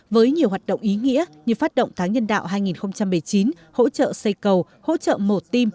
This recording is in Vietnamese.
với nhiều hoạt động ý nghĩa như phát động tháng nhân đạo hai nghìn một mươi chín hỗ trợ xây cầu hỗ trợ mổ tim